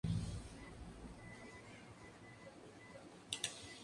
El interior esta totalmente decorado por pinturas al fresco.